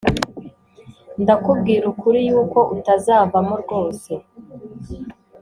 Ndakubwira ukuri yuko utazavamo rwose